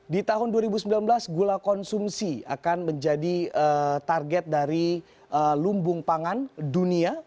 di tahun dua ribu sembilan belas gula konsumsi akan menjadi target dari lumbung pangan dunia